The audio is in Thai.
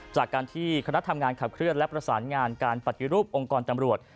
จากการที่คณะทำงานขับเคลื่อนและประสานงานการปฏิรูปองค์กรตำรวจ